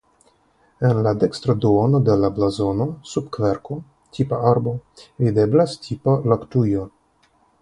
En la dekstra duono de la blazono sub kverko (tipa arbo) videblas tipa laktujo.